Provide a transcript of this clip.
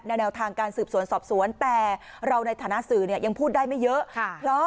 แนวทางการสืบสวนสอบสวนแต่เราในฐานะสื่อเนี่ยยังพูดได้ไม่เยอะ